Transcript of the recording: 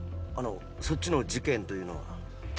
そっちの事件というのは？